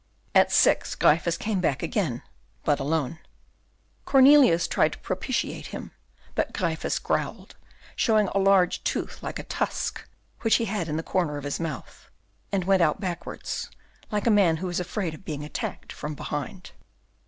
At six Gryphus came back again, but alone; Cornelius tried to propitiate him, but Gryphus growled, showed a large tooth like a tusk, which he had in the corner of his mouth, and went out backwards, like a man who is afraid of being attacked from behind.